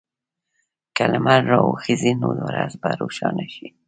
که لمر راوخېژي، نو ورځ به روښانه شي.